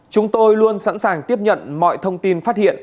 chúng tôi luôn sẵn sàng tiếp nhận mọi thông tin phát hiện